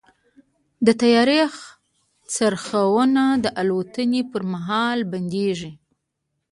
د طیارې څرخونه د الوتنې پر مهال بندېږي.